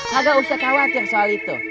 kagak usah khawatir soal itu